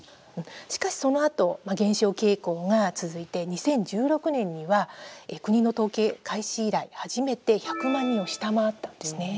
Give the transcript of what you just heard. しかしそのあと減少傾向が続いて２０１６年には国の統計開始以来初めて１００万人を下回ったんですね。